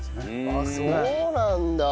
あっそうなんだ。